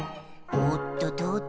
「おっととっと」